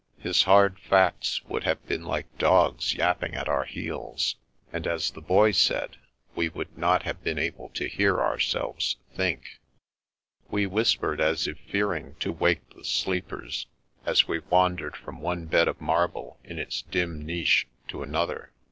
His hard facts would have been like dogs )rapping at our heels, and, as the Boy said, we would not have been able to hear our selves think. We whispered as if fearing to wake the sleepers, as we wandered from one bed of marble in its dim niche, to another.